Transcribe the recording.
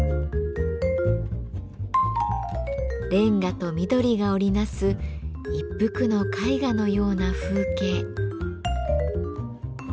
レンガと緑が織り成す一幅の絵画のような風景。